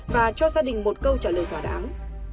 và cho gia đình một câu trả lời thỏa đáng